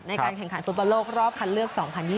ในการแข่งขันฟุตบอลโลกรอบคัดเลือก๒๐๒๐